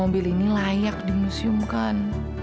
mobil ini layak dimuseumkan